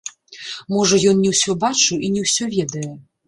Можа, ён не ўсё бачыў і не ўсё ведае.